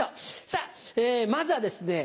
さぁまずはですね